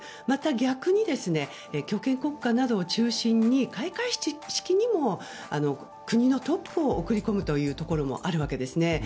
また逆に、強権国家などを中心に開会式にも国のトップを送り込むところもあるわけですね。